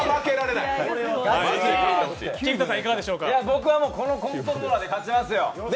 僕はこのコントローラーで勝ちますよ。